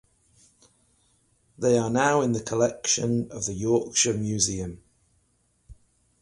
They are now in the collection of the Yorkshire Museum.